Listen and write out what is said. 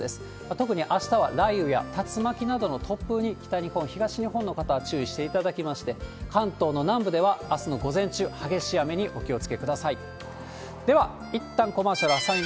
特にあしたは雷雨や竜巻などの突風に、北日本、東日本の方は注意していただきまして、関東の南部では、あすの午前中、では、週間予報、北日本、東日本です。